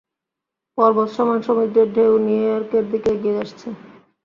পর্বত সমান সমুদ্রের ঢেউ নিউইয়র্কের দিকে এগিয়ে আসছে!